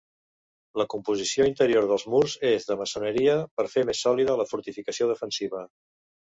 La composició interior dels murs és de maçoneria, per fer més sòlida la fortificació defensiva.